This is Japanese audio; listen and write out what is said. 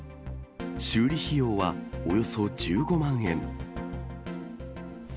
修理費用はおよそ１５万円。